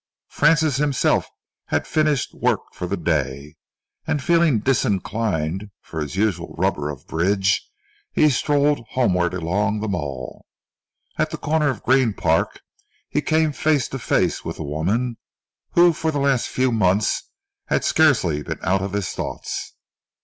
Francis himself had finished work for the day, and feeling disinclined for his usual rubber of bridge, he strolled homewards along the Mall. At the corner of Green Park, he came face to face with the woman who for the last few months had scarcely been out of his thoughts.